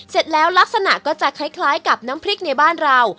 เสร็จแล้วลักษณะก็จะคล้ายกับน้ำพริกในบ้านเรา